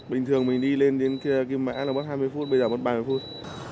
bình thường mình đi lên đến cái mã là mất hai mươi phút bây giờ mất ba mươi phút